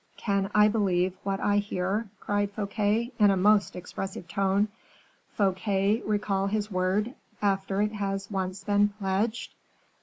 "Can I believe what I hear?" cried Fouquet, in a most expressive tone. "Fouquet recall his word, after it has once been pledged!"